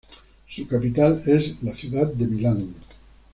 Su capital es la ciudad de Milán.